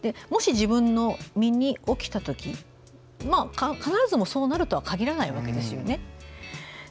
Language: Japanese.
もし自分の身に起きたとき必ずしもそうなるとは限らないわけですよね。